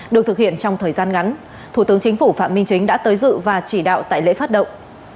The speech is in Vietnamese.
được thực hiện trong thời gian ngắn thủ tướng chính phủ phạm minh chính đã tới dự và chỉ đạo tại lễ phát động